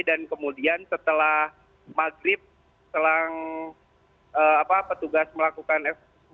dan kemudian setelah maghrib setelah petugas melakukan evakuasi